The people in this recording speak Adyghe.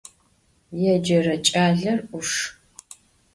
Yêcere ç'aler 'uşş.